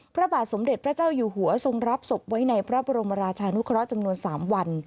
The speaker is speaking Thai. พระบาทสมเด็จพระเจ้าอยู่หัวทรงรับศพไว้ในพระบรมราชานุเคราะห์จำนวน๓วัน